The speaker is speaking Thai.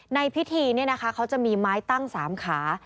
ในพิธีนี่นะคะเขาจะมีไม้ตั้ง๓ขา